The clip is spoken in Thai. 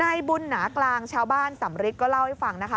นายบุญหนากลางชาวบ้านสำริทก็เล่าให้ฟังนะคะ